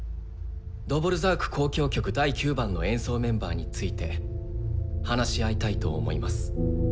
「ドヴォルザーク交響曲第９番」の演奏メンバーについて話し合いたいと思います。